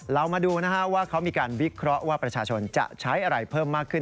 เรามาดูนะฮะว่าเขามีการวิเคราะห์ว่าประชาชนจะใช้อะไรเพิ่มมากขึ้น